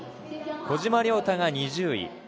小島良太が２０位。